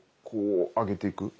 こう上げてきて。